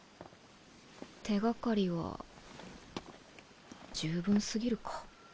手掛かりは十分過ぎるか。